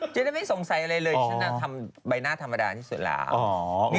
เจนไม่สงสัยอะไรเลยฉันน่าทำใบหน้าธรรมดาที่สุดล้าว